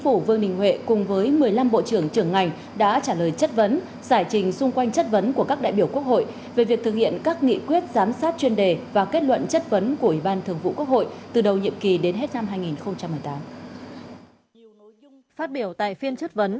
phát biểu tại phiên chất vấn